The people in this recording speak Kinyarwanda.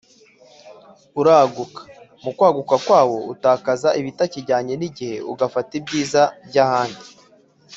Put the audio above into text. uraguka ; mu kwaguka kwawo utakaza ibitakijyanye n’igihe ugafata ibyiza by’ahandi.